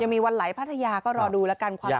ยังมีวันไหล้ภรรยาก็รอดูละกันความชุ่มใจ